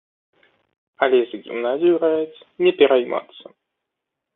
Але за гімназію раяць не пераймацца.